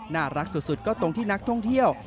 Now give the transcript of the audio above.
น่ารักสุดก็ตรงที่นักท่องเที่ยว